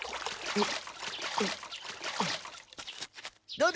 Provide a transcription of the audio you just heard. えっ？